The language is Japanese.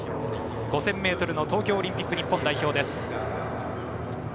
５０００ｍの東京オリンピック日本代表です。